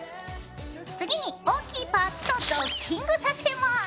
次に大きいパーツとドッキングさせます！